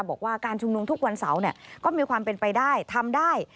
บอกว่าการชุมนุมทุกวันเสาร์ก็มีความเป็นไปได้ทำได้